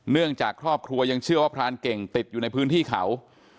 เนื่องจากครอบครัวยังเชื่อว่าพรานเก่งติดอยู่ในพื้นที่เขา